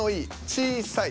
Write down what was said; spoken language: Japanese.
「小さい」。